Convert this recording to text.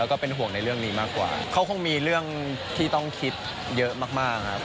แล้วก็เป็นห่วงในเรื่องนี้มากกว่าเขาคงมีเรื่องที่ต้องคิดเยอะมากมากครับ